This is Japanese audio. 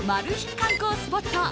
観光スポット。